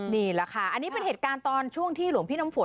นี่แหละค่ะอันนี้เป็นเหตุการณ์ตอนช่วงที่หลวงพี่น้ำฝน